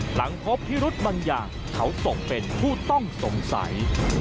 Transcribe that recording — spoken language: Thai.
หลังพบพิรุธบางอย่างเขาตกเป็นผู้ต้องสงสัย